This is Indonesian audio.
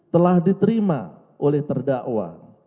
telah diterima oleh terdakwa